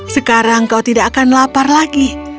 sekarang kau tidak akan lapar lagi